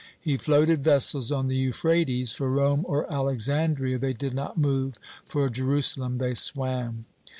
He floated vessels on the Euphrates; for Rome or Alexandria they did not move, for Jerusalem they swam.